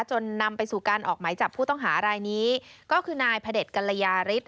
จนนำไปสู่การออกหมายจับผู้ต้องหารายนี้ก็คือนายพระเด็จกัลยาฤทธ